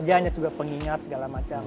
dia hanya juga pengingat segala macam